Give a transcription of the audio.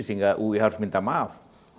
sehingga ui harus minta maaf